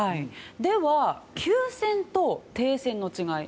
では、休戦と停戦の違い。